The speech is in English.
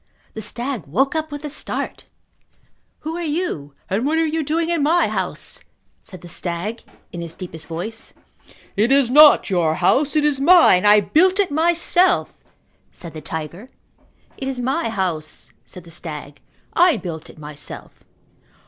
The stag woke up with a start. "Who are you and what are you doing in my house?" said the stag in his deepest voice. "It is not your house. It is mine. I built it myself," said the tiger. "It is my house," said the stag. "I built it myself."